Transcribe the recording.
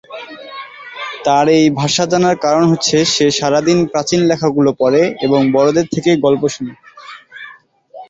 তার এই ভাষা জানার কারণ হচ্ছে সে সারাদিন প্রাচীন লেখাগুলো পড়ে এবং বড়দের থেকে গল্প শুনে।